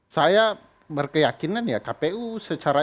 saya berkeyakinan ya kpu secara